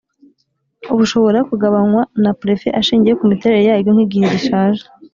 bushobora kugabanywe na prefe ashingiye kumiterere yaryo nk' igihe rishaje